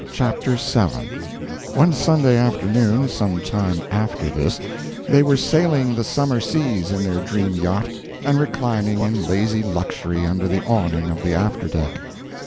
CHAPTER VII One Sunday afternoon some time after this they were sailing the summer seas in their dream yacht, and reclining in lazy luxury under the awning of the after deck.